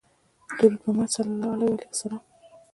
درود په محمدﷺ